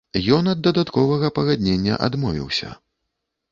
Ён ад дадатковага пагаднення адмовіўся.